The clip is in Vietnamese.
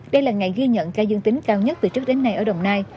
đây là ngày ghi nhận ca dương tính cao nhất từ trước đến nay ở đồng nai